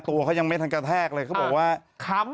ตัวเขายังไม่ทันกระแทกเลยเขาบอกว่าค้ำ